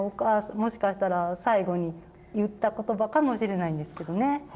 もしかしたら最期に言った言葉かもしれないんですけどね。